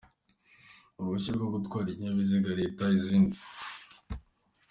“Uruhushya rwo gutwara ibinyabiziga, leta zindi”